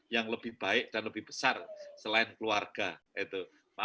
yang lebih baik dan lebih besar selain keluarga itu